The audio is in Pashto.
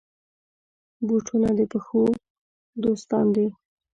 بوټونه د پښو دوستان دي.